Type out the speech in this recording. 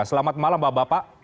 selamat malam bapak bapak